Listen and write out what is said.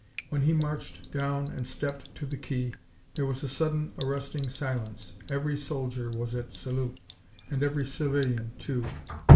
When he marched down and stepped to the quay, there was a sudden, arresting silence. Every soldier was at salute, and every civilian, too.